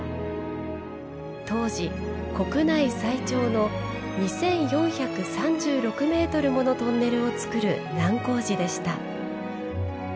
当時、国内最長の２４３６ｍものトンネルを造る難工事でした。